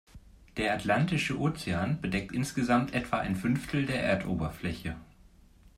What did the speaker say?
Der Atlantische Ozean bedeckt insgesamt etwa ein Fünftel der Erdoberfläche.